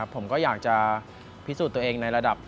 ผมก็อยากจะพิสูจน์ตัวเองในระดับ